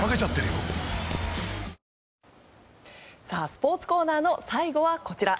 スポーツコーナーの最後はこちら。